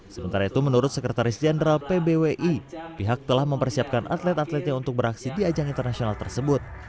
sementara itu menurut sekretaris jenderal pbwi pihak telah mempersiapkan atlet atletnya untuk beraksi di ajang internasional tersebut